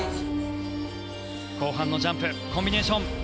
後半のジャンプコンビネーション。